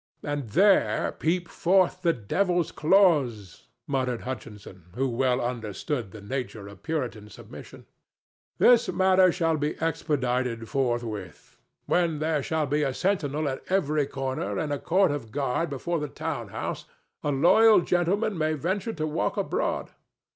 "And there peep forth the devil's claws!" muttered Hutchinson, who well understood the nature of Puritan submission. "This matter shall be expedited forthwith. When there shall be a sentinel at every corner and a court of guard before the town house, a loyal gentleman may venture to walk abroad.